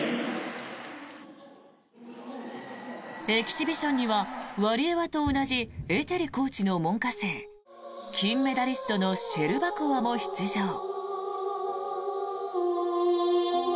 エキシビションにはワリエワと同じエテリコーチの門下生金メダリストのシェルバコワも出場。